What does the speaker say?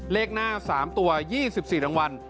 เลขหน้า๓ตัว๒๔รางวัล